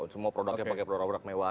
semua produknya pakai produk produk mewah